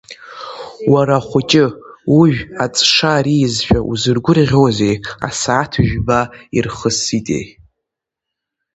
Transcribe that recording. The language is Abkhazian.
Уара ахәыҷы, ужә аҵша аризшәа узыргәырӷьозеи, асааҭ жәба ирхыситеи?